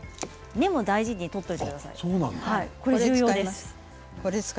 根も大事に取っておいてください。